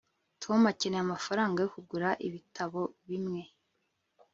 tom akeneye amafaranga yo kugura ibitabo bimwe